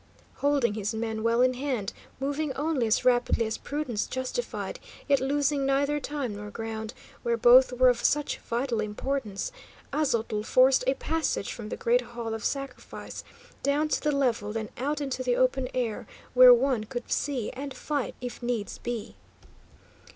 Holding his men well in hand, moving only as rapidly as prudence justified, yet losing neither time nor ground, where both were of such vital importance; Aztotl forced a passage from the great Hall of Sacrifice down to the level, then out into the open air, where one could see and fight if needs be.